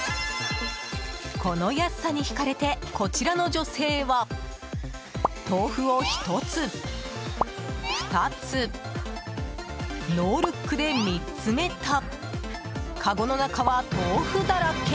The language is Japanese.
この安さに引かれてこちらの女性は豆腐を１つ、２つノールックで３つ目とかごの中は豆腐だらけ。